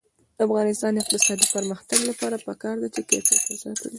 د افغانستان د اقتصادي پرمختګ لپاره پکار ده چې کیفیت وساتل شي.